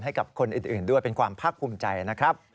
ให้กับคนอื่นด้วยเป็นความภาคภูมิใจนะครับ